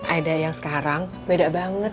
ada yang sekarang beda banget